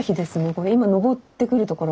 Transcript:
これ今昇ってくるところ。